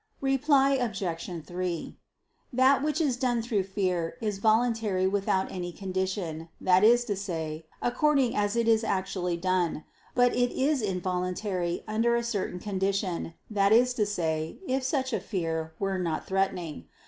Reply Obj. 3: That which is done through fear, is voluntary without any condition, that is to say, according as it is actually done: but it is involuntary, under a certain condition, that is to say, if such a fear were not threatening.